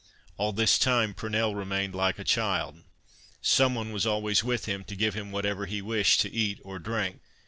All this time Purnell remained like a child; some one was always with him, to give him whatever he wished to eat or drink.